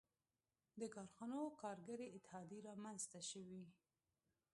• د کارخانو کارګري اتحادیې رامنځته شوې.